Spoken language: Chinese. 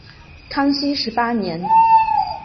康熙十八年。